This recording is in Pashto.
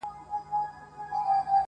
خدایه هغه مه اخلې زما تر جنازې پوري